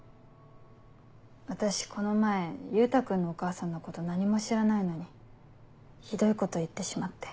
私この前優太君のお母さんのこと何も知らないのにひどいこと言ってしまって。